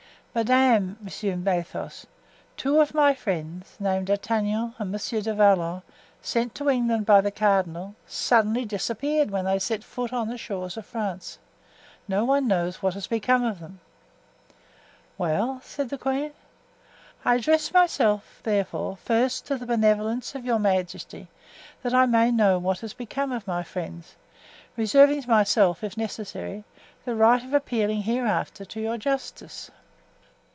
"Madame," resumed Athos, "two of my friends, named D'Artagnan and Monsieur du Vallon, sent to England by the cardinal, suddenly disappeared when they set foot on the shores of France; no one knows what has become of them." "Well?" said the queen. "I address myself, therefore, first to the benevolence of your majesty, that I may know what has become of my friends, reserving to myself, if necessary, the right of appealing hereafter to your justice."